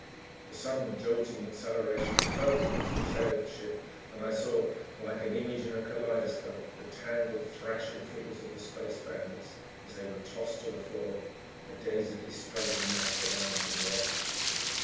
The sudden jolting acceleration hurled me to the tail of the ship and I saw, like an image in a kaleidoscope, the tangled thrashing figures of the space bandits as they were tossed to the floor, a dazedly struggling mass of arms and legs.